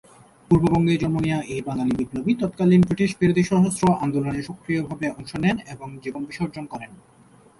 পূর্ববঙ্গে জন্ম নেয়া এই বাঙালি বিপ্লবী তৎকালীন ব্রিটিশ বিরোধী সশস্ত্র আন্দোলনে সক্রিয়ভাবে অংশ নেন এবং জীবন বিসর্জন করেন।